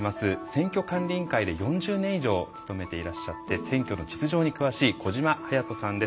選挙管理委員会で４０年以上勤めていらっしゃって選挙の実情に詳しい小島勇人さんです。